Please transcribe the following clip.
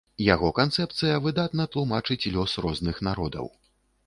Яго канцэпцыя выдатна тлумачыць лёс розных народаў.